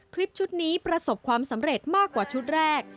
คลิปชุดนี้ประสบความสำเร็จมากกว่าชุดแรก